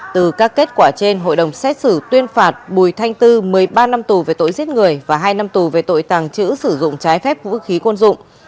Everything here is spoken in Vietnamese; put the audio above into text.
từ các kết quả trên hội đồng xét xử tuyên phạt bùi thanh tư một mươi ba năm tù về tội giết người và hai năm tù về tội tàng trữ sử dụng trái phép vũ khí quân dụng